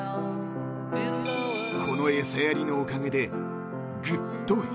［この餌やりのおかげでぐっと平和に］